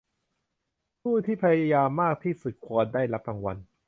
ผู้ที่พยายามมากที่สุดควรได้รับรางวัล